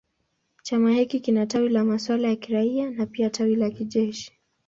Chama hiki kina tawi la masuala ya kiraia na pia tawi la kijeshi.